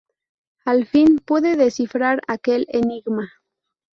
Al fin pude descifrar aquel enigma.